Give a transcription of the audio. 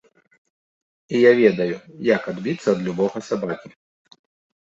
І я ведаю, як адбіцца ад любога сабакі.